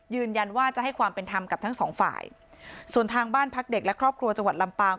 ยืนยันว่าจะให้ความเป็นธรรมกับทั้งสองฝ่ายส่วนทางบ้านพักเด็กและครอบครัวจังหวัดลำปาง